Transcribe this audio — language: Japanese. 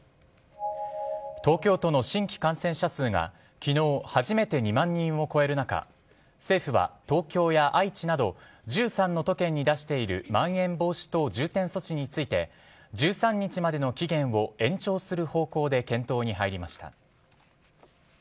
東京都の新規感染者数が昨日初めて２万人を超える中政府は東京や愛知など１３の都県に出しているまん延防止等重点措置について１３日までの期限を延長する方向で検討に入りました。